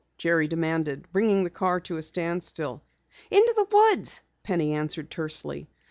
Jerry demanded, bringing the car to a standstill. "Into the woods," Penny answered tersely.